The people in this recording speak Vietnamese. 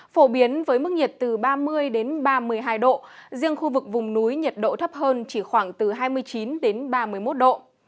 phổ biến với mức nhiệt từ ba mươi ba mươi hai độ riêng khu vực vùng núi nhiệt độ thấp hơn chỉ khoảng từ hai mươi chín đến ba mươi một độ